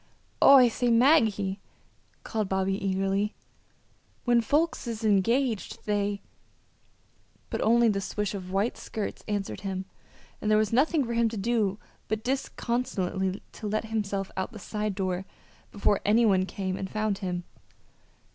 "Oh, I say, Maggie," called Bobby, eagerly, "when folks is engaged they " But only the swish of white skirts answered him, and there was nothing for him to do but disconsolately to let himself out the side door before any one came and found him.